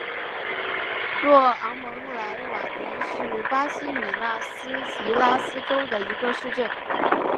若昂蒙莱瓦迪是巴西米纳斯吉拉斯州的一个市镇。